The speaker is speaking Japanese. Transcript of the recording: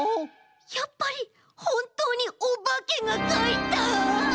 やっぱりほんとうにおばけがかいた！？